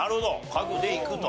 家具でいくと。